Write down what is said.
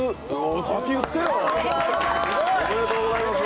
おめでとうございます。